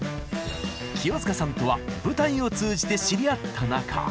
清塚さんとは舞台を通じて知り合った仲！